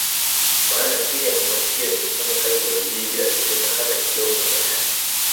Maana Siri ya mafanikio Ni kufanya Kazi kwa bidii bila kuchoka hata kidogo abadani